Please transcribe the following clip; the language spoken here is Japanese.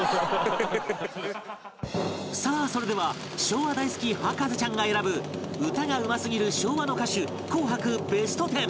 さあそれでは昭和大好き博士ちゃんが選ぶ歌がうますぎる昭和の歌手紅白ベストテン